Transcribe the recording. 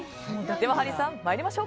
ハリーさん、参りましょう。